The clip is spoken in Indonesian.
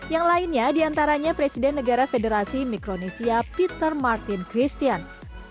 yang lainnya diantaranya presiden negara federasi mikronesia peter martin christian